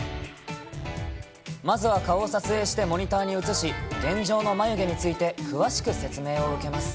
まずは顔を撮影してモニターに映し、現状の眉毛について、詳しく説明を受けます。